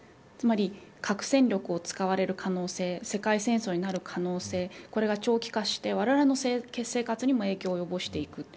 つまり核戦力を使われる可能性世界戦争になる可能性これが長期化してわれわれの生活にも影響を及ぼしていく。